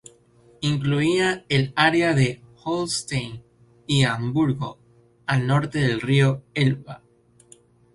Incluía el área de Holstein y Hamburgo, al norte del río Elba.